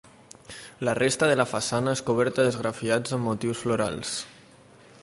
La resta de la façana és coberta d'esgrafiats amb motius florals.